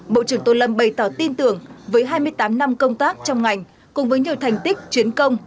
bộ trưởng tô lâm bày tỏ tin tưởng với hai mươi tám năm công tác trong ngành cùng với nhiều thành tích chuyến công